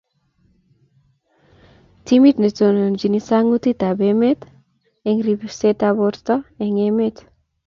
timit ne tononchini sang'utab emet eng' ribsetab borto eng' emet.